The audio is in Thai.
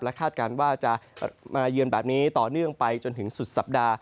คาดการณ์ว่าจะมาเยือนแบบนี้ต่อเนื่องไปจนถึงสุดสัปดาห์